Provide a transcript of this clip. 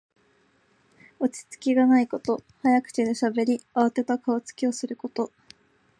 落ち着きがないこと。早口でしゃべり、あわてた顔つきをすること。